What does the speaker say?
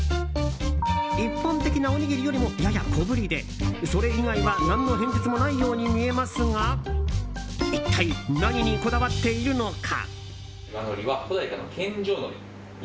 一般的なおにぎりよりもやや小ぶりでそれ以外は何の変哲もないように見えますが一体、何にこだわっているのか。